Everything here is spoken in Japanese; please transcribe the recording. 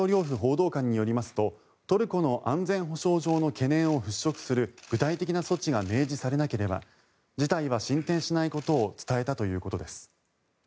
トルコの安全保障上の懸念を払しょくする具体的な措置の明示がなければ事態は進展しないことを伝えたということです。